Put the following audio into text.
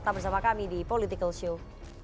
tetap bersama kami di political show